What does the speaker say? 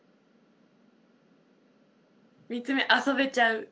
３つ目遊べちゃう。